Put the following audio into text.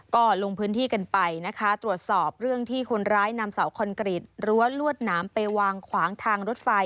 ก็ลงพื้นที่กันไปตรวจสอบเรื่องที่คนร้ายนำเสาคอนเกรดลวดน้ำไปวางขวางทางรถไฟ